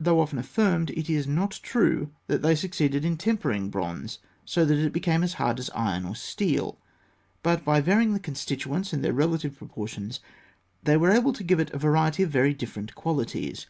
Though often affirmed, it is not true that they succeeded in tempering bronze so that it became as hard as iron or steel; but by varying the constituents and their relative proportions, they were able to give it a variety of very different qualities.